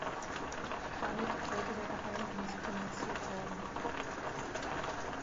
Damit sollte der Geheimdienst finanziert werden.